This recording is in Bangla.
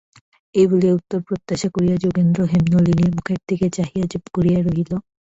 এই বলিয়া উত্তর প্রত্যাশা করিয়া যোগেন্দ্র হেমনলিনীর মুখের দিকে চাহিয়া চুপ করিয়া রহিল।